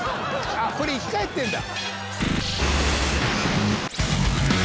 これ生き返ってんだ。